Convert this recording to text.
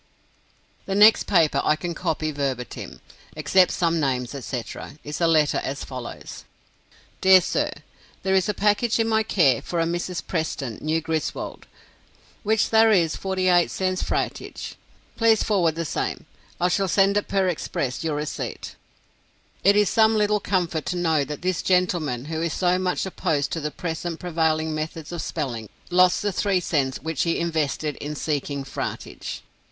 The next paper I can copy verbatim, except some names, etc., is a letter as follows: "Dear Sir There is a Package in My care for a Mrs. preston New Griswold wich thare is 48 cts. fratage. Pleas forward the same. I shall send it Per Express Your recpt." It is some little comfort to know that this gentleman, who is so much opposed to the present prevailing methods of spelling, lost the three cents which he invested in seeking "fratage."